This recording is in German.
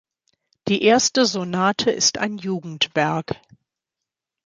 Die erste Sonate ist ein Jugendwerk.